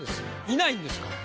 いないんですから。